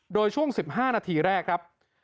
โดยช่วง๑๕นาทีแรกครับ